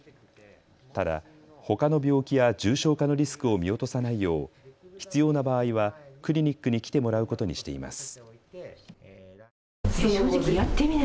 ただ、ほかの病気や重症化のリスクを見落とさないよう必要な場合はクリニックに来てもらうことにしています。